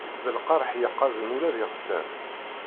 D lqerḥ yeqqazen ula d iɣsan.